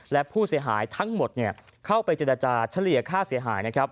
และผู้เสียหายทั้งหมดเข้าไปเจรจาเฉลี่ยค่าเสียหายนะครับ